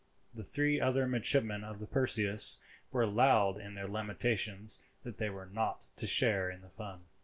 The three other midshipmen of the Perseus were loud in their lamentations that they were not to share in the fun.